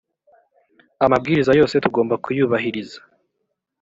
amabwiriza yose tugomba kuyubahiriza.